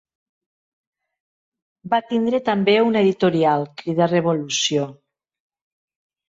Va tindre també una editorial, crida Revolució.